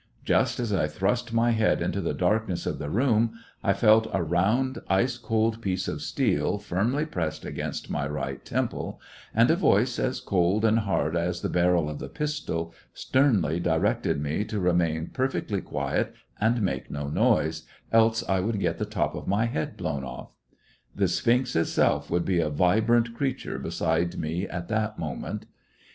Just as I thrust my head into the darkness of the room, I felt a round, ice cold piece of steel firmly pressed against my right temple, and a voice as cold and hard as the barrel of the pistol sternly directed me to remain perfectly quiet and make no noise, else I would get the top of my head blown off. The sphinx itself would be a vibrant creature beside me at that moment.